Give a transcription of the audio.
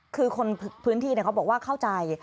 คือคนพื้นที่เขาบอกว่าเข้าใจ